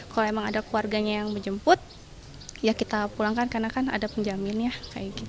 kalau memang ada keluarganya yang menjemput ya kita pulangkan karena kan ada penjaminnya